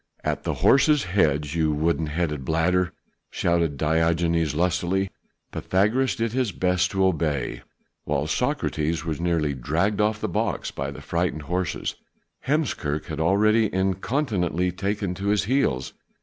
"At the horses' heads, you wooden headed bladder," shouted Diogenes lustily. Pythagoras did his best to obey, while Socrates was nearly dragged off the box by the frightened horses. Heemskerk had already incontinently taken to his heels.